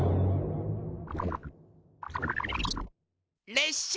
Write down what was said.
れっしゃ。